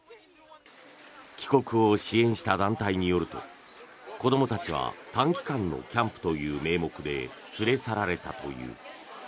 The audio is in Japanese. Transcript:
帰国を支援した団体によると子どもたちは短期間のキャンプという名目で連れ去られたという。